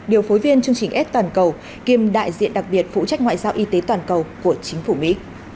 điều phối viên chương trình s toàn cầu kiêm đại diện đặc biệt phụ trách ngoại giao y tế toàn cầu của chính phủ mỹ